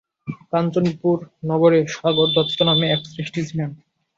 কাঞ্চনপুর নগরে সাগরদত্ত নামে এক শ্রেষ্ঠী ছিলেন।